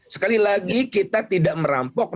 sekali lagi kita tidak bisa menguruskan batubara itu